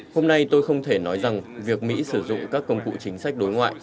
hôm nay tôi không thể nói rằng việc mỹ sử dụng các công cụ chính sách đối ngoại